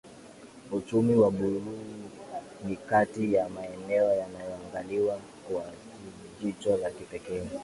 Uchumi wa buluu ni kati ya maeneo yanayoangaliwa kwa jicho la kipekee